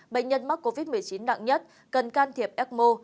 bệnh nhân mắc covid một mươi chín nặng nhất cần can thiệp ecmo